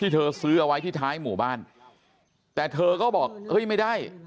เธอซื้อเอาไว้ที่ท้ายหมู่บ้านแต่เธอก็บอกเอ้ยไม่ได้